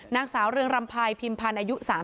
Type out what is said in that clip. นางสาวเรืองรำพายพิมพันธ์อายุ๓๐